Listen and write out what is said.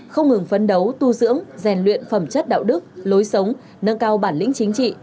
không ngừng phấn đấu tu dưỡng rèn luyện phẩm chất đạo đức lối sống nâng cao bản lĩnh chính trị